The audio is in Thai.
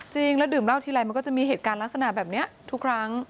จริงแล้วดื่มเหล้าทีไรมันก็จะมีเหตุการณ์ลักษณะแบบนี้ทุกครั้ง